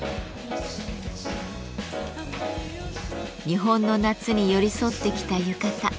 日本の夏に寄り添ってきた浴衣。